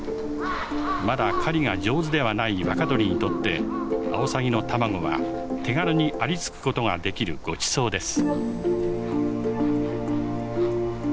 まだ狩りが上手ではない若鳥にとってアオサギの卵は手軽にありつく事ができるごちそうです。